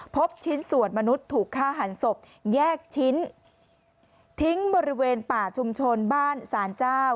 พบชิ้นส่วนมนุษย์ถูกฆ่าหันศพแยกชิ้นทิ้งบริเวณป่าชุมชนบ้านสารเจ้า